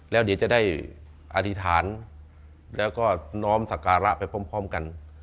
แล้วเดี๋ยวจะได้อธิษฐานแล้วก็น้อมสการะไปพร้อมกัน